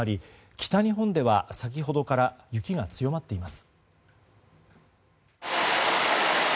北日本では先ほどから雪が強まっています。